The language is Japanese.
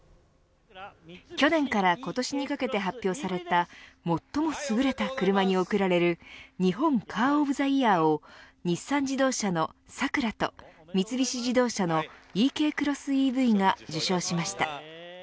去年から今年にかけて発表された最も優れた車に贈られる日本カー・オブ・ザ・イヤーを日産自動車のサクラと三菱自動車のｅＫクロスＥＶが受賞しました。